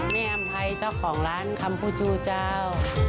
มีอำไพรเจ้าของร้านคัมฟูจูเจ้า